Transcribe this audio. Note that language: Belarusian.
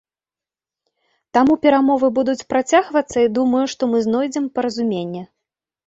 Таму перамовы будуць працягвацца, і думаю, што мы знойдзем паразуменне.